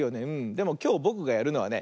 でもきょうぼくがやるのはね